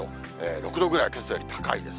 ６度ぐらいけさより高いです。